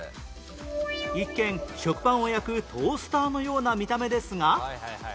一見食パンを焼くトースターのような見た目ですが